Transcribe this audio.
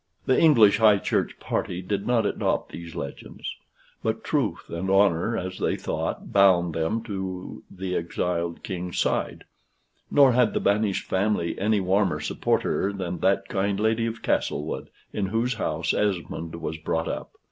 The English High Church party did not adopt these legends. But truth and honor, as they thought, bound them to the exiled king's side; nor had the banished family any warmer supporter than that kind lady of Castlewood, in whose house Esmond was brought up.